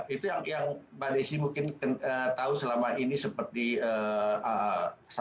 itu mbak desi mungkin tahu selama ini seperti satu paket dengan pusat pelatihan